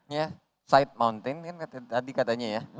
iya side mounted kan tadi katanya ya